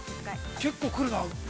◆結構来るな。